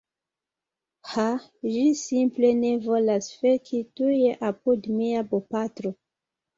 Ha, ĝi simple ne volas feki tuj apud mia bopatro